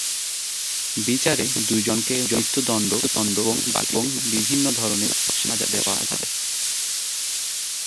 বিচারে দুই জনকে মৃত্যুদন্ড এবং বাকিদের বিভিন্ন ধরনের সাজা দেওয়া হয়।